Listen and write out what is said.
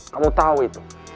kamu tau itu